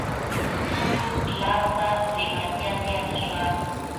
توندو لارو ته لېوالتیا زیاته شوه